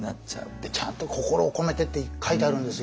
でちゃんと「心を込めて」って書いてあるんですよ